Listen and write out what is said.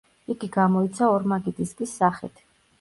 იგი გამოიცა ორმაგი დისკის სახით.